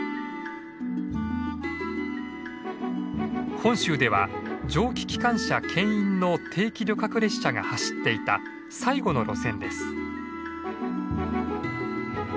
本州では蒸気機関車けん引の定期旅客列車が走っていた最後の路線です。